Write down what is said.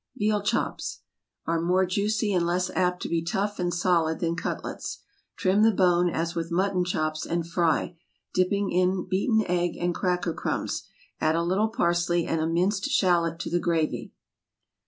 VEAL CHOPS Are more juicy and less apt to be tough and solid than cutlets. Trim the bone as with mutton chops, and fry, dipping in beaten egg and cracker crumbs. Add a little parsley and a minced shallot to the gravy.